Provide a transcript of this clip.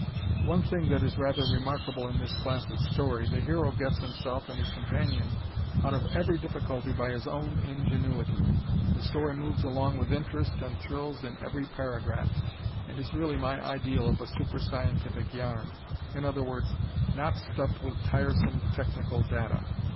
One thing that is rather remarkable in this class of story, the hero gets himself and his companion out of every difficulty by his own ingenuity. The story moves along with interest and thrills in every paragraph, and is really my ideal of a "super scientific" yarn; i.e., not stuffed with tiresome technical data.